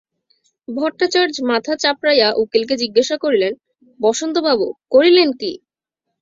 ভট্টাচার্য মাথা চাপড়াইয়া উকিলকে জিজ্ঞাসা করিলেন, বসন্তবাবু, করিলেন কী।